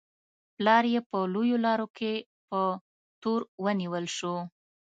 پلار یې په لویو لارو کې په تور ونیول شو.